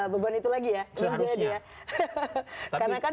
beban itu lagi ya seharusnya